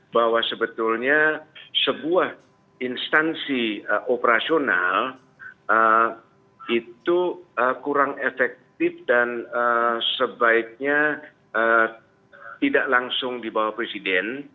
bahwa sebetulnya sebuah instansi operasional itu kurang efektif dan sebaiknya tidak langsung di bawah presiden